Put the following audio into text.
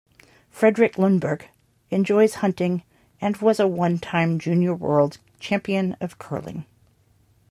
Fredrik Lundberg enjoys hunting and was a one-time junior world champion of curling.